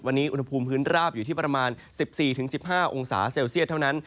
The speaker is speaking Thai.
วันนี้อุณหภูมิพื้นราบอยู่ที่ประมาณ๑๔๑๕องศาเซลเซียตเท่านั้น